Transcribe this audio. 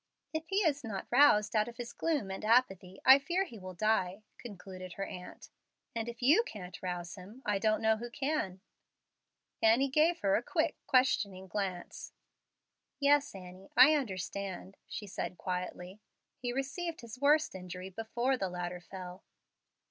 "If he is not roused out of his gloom and apathy, I fear he will die," concluded her aunt; "and if you can't rouse him, I don't know who can." Annie gave her a quick, questioning glance. "Yes, Annie, I understand," she said, quietly. "He received his worst injury before the ladder fell."